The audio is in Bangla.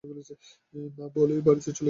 না বলে বাড়িতে চলে গেছেন।